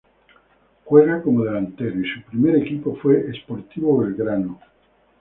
Juega como delantero y su primer equipo fue Sportivo Belgrano.